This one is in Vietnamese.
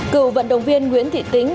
cựu vận động viên nguyễn thị tĩnh